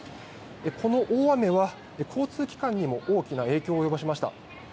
この大雨は交通機関にも大きな影響を及ぼしました。